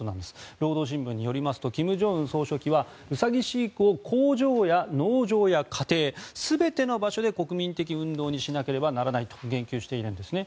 労働新聞によりますと金正恩総書記はウサギ飼育を工場や農場や家庭全ての場所で国民的運動にしなければならないと言及してるんですね。